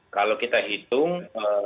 kalau kita hitung